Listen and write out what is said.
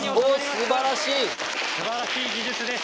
すばらしい技術です！